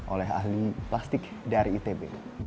oleh ahli plastik dari itb